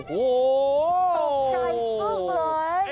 ตกใจจนปึกเลย